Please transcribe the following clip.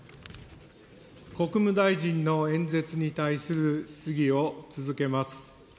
国務大臣の演説に対する質疑を続けます。